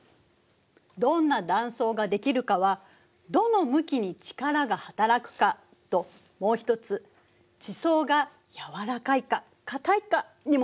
どんな断層ができるかはどの向きに力がはたらくかともう一つ地層が柔らかいか硬いかにもよるの。